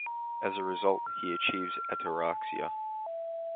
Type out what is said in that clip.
As a result, he achieves ataraxia.